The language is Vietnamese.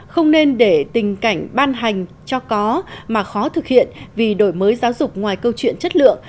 không nên để tình cảnh ban hành cho có mà khó thực hiện vì đổi mới giáo dục ngoài câu chuyện chất lượng